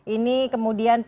ini kemudian pip